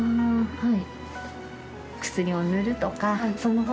はい。